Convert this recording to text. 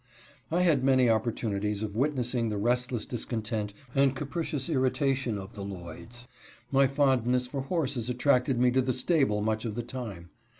I had many opportunities of witnessing the restless dis content and capricious irritation of the Lloyds. My fond ness for horses attracted me to the stables much of the time.